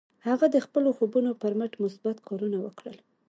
هغه د خپلو خوبونو پر مټ مثبت کارونه وکړل.